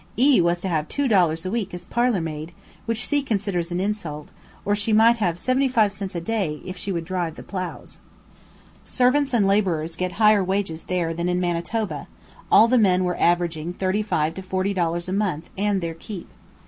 E was to have two dollars a week as parlour maid, which she considers an insult; or she might have seventy five cents a day if she would drive the ploughs. Servants and labourers get higher wages there than in Manitoba, all the men were averaging thirty five to forty dollars a month and their keep.